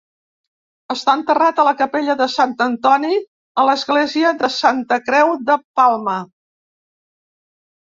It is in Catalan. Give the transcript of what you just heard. Està enterrat a la capella de Sant Antoni a l'Església de Santa Creu de Palma.